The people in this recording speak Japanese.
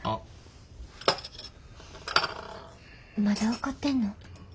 まだ怒ってんの？